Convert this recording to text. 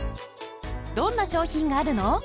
どんな商品があるの？